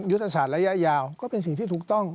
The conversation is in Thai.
ยุทธศาสตร์ระยะยาวก็เป็นสิ่งที่ถูกต้อง